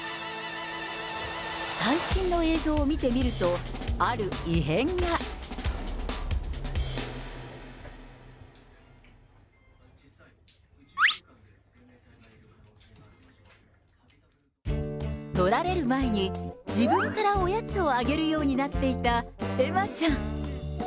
最新の映像を見てみると、ある異変が。取られる前に自分からおやつをあげるようになっていたえまちゃん。